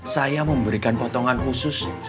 saya memberikan potongan khusus